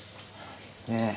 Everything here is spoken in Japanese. ええ。